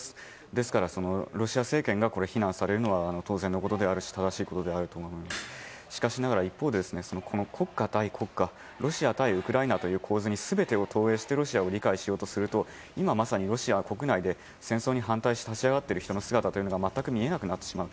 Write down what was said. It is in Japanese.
ですから、ロシア政権が非難されるのは当然のことでありますがしかしながら、一方で国家対国家ロシア対ウクライナに全てを投影して理解しようとすると今まさにロシア国内で戦争に反対して立ち上がってる人の姿が全く見えなくなってしまう。